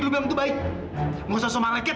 lepasin gua sekarang